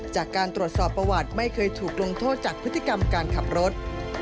จากการตรวจสอบประวัติไม่เคยถูกลงโทษจากพฤติกรรมการขับรถ